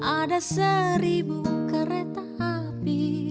ada seribu kereta api